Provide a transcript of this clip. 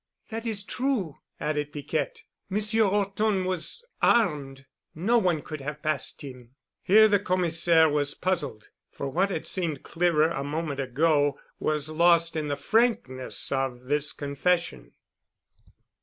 "That is true," added Piquette. "Monsieur 'Orton was armed. No one could have passed him." Here the Commissaire was puzzled, for what had seemed clearer a moment ago was lost in the frankness of this confession.